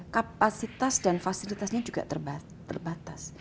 kapasitas dan fasilitasnya juga terbatas